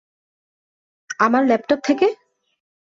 আমার ল্যাপটপ থেকে?